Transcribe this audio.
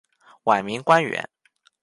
晚明官员。